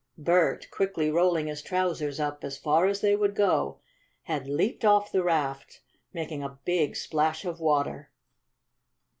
Bert, quickly rolling his trousers up as far as they would go, had leaped off the raft, making a big splash of water.